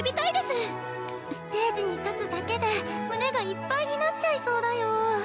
ステージに立つだけで胸がいっぱいになっちゃいそうだよ。